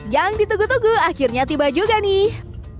yang ditunggu tunggu akhirnya tiba juga nih